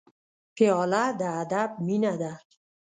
پیاله د ادب مینه ده.